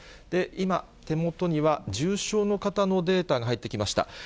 今、手元には重症の方のデータが入ってきました。